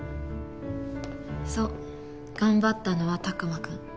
そう頑張ったのは拓磨くん。